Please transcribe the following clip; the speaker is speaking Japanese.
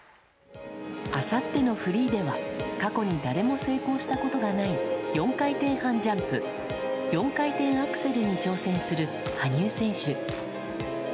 あさってのフリーでは、過去に誰も成功したことがない、４回転半ジャンプ、４回転アクセルに挑戦する羽生選手。